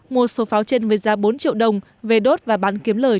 mua số pháo trên với giá bốn triệu đồng về đốt và bán kiếm lời